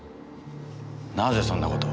なぜそんな事を。